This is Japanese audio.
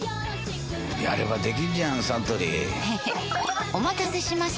やればできんじゃんサントリーへへっお待たせしました！